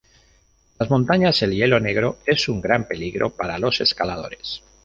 En las montañas, el hielo negro es un gran peligro para los escaladores.